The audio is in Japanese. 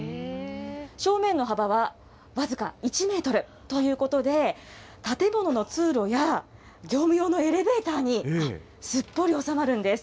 正面の幅は僅か１メートルということで、建物の通路や業務用のエレベーターにすっぽり収まるんです。